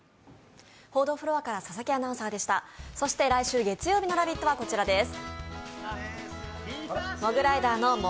来週月曜日の「ラヴィット！」はこちらです。